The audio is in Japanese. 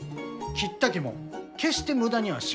切った木も決して無駄にはしません。